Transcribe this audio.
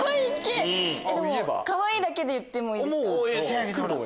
「かわいい」だけで言ってもいいですか？